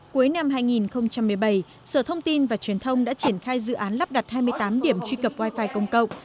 cuối năm hai nghìn một mươi bảy sở thông tin và truyền thông đã triển khai dự án lắp đặt hai mươi tám điểm truy cập wi fi công cộng